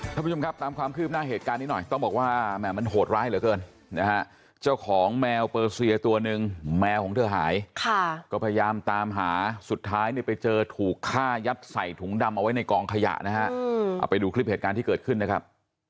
ท่านผู้ชมครับตามความคืบหน้าเหตุการณ์นี้หน่อยต้องบอกว่าแหม่มันโหดร้ายเหลือเกินนะฮะเจ้าของแมวเปอร์เซียตัวหนึ่งแมวของเธอหายค่ะก็พยายามตามหาสุดท้ายเนี่ยไปเจอถูกฆ่ายัดใส่ถุงดำเอาไว้ในกองขยะนะฮะเอาไปดูคลิปเหตุการณ์ที่เกิดขึ้นนะครับ